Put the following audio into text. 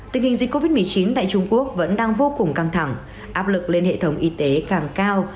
tình hình dịch covid một mươi chín tại trung quốc vẫn đang vô cùng căng thẳng áp lực lên hệ thống y tế càng cao